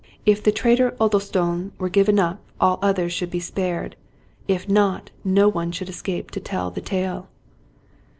If the traitor " Oddlestone " were given up, all others should be spared ; if not, no one should escape to tell the tale.